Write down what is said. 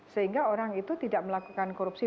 sehingga orang itu tidak melakukan korupsi